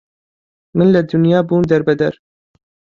من لە دونیا بوم دەر بەدەر